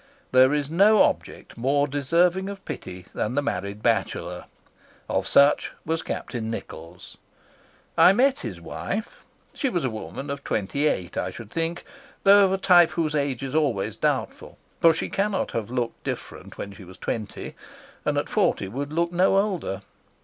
There is no object more deserving of pity than the married bachelor. Of such was Captain Nichols. I met his wife. She was a woman of twenty eight, I should think, though of a type whose age is always doubtful; for she cannot have looked different when she was twenty, and at forty would look no older.